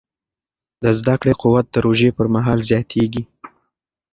د زده کړې قوت د روژې پر مهال زیاتېږي.